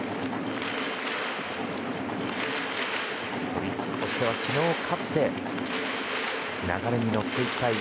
オリックスとしては昨日勝って流れに乗っていきたい。